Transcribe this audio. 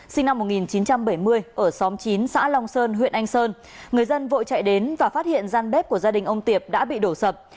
sinh năm một nghìn chín trăm bảy mươi ở xóm chín xã long sơn huyện anh sơn người dân vội chạy đến và phát hiện gian bếp của gia đình ông tiệp đã bị đổ sập